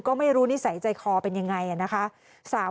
ก็ไม่รู้นิสัยใจคอเป็นอย่างไร